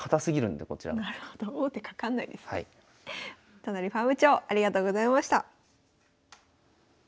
都成ファーム長ありがとうございました。